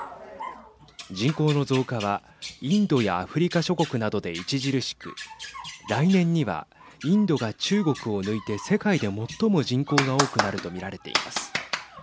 人口の増加はインドやアフリカ諸国などで著しく来年には、インドが中国を抜いて世界で最も人口が多くなると見られています。